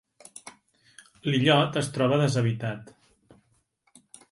L'illot es troba deshabitat.